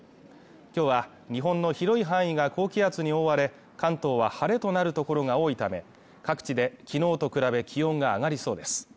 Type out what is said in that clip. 今日は日本の広い範囲が高気圧に覆われ、関東は晴れとなるところが多いため、各地できのうと比べ気温が上がりそうです。